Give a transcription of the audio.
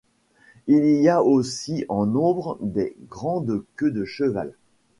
Il y a aussi en nombre des grandes queues-de-cheval.